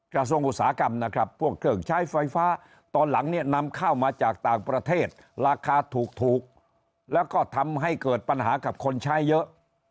กระทรวงอุตสาหกรรมนะครับพวกเครื่องใช้ไฟฟ้าตอนหลังเนี่ยนำข้าวมาจากต่างประเทศราคาถูกแล้วก็ทำให้เกิดปัญหากับคนใช้เยอะ